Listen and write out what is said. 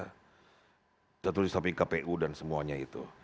kita tulis tapi kpu dan semuanya itu